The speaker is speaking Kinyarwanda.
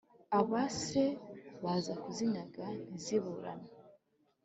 abase baza kuzinyaga ntiziburanwe